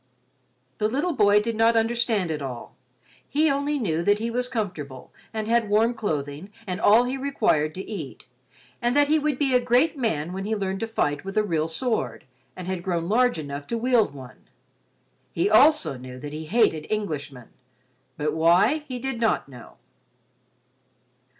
The little boy did not understand it all, he only knew that he was comfortable, and had warm clothing, and all he required to eat, and that he would be a great man when he learned to fight with a real sword, and had grown large enough to wield one. He also knew that he hated Englishmen, but why, he did not know.